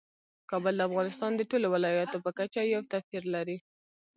کابل د افغانستان د ټولو ولایاتو په کچه یو توپیر لري.